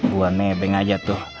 gua nebeng aja tuh